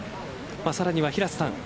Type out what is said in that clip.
さらには、平瀬さん。